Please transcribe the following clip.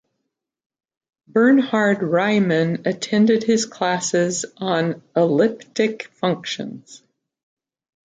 Bernhard Riemann attended his classes on elliptic functions.